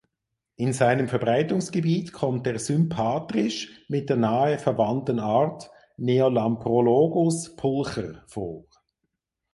In seinem Verbreitungsgebiet kommt er sympatrisch mit der nah verwandten Art "Neolamprologus pulcher" vor.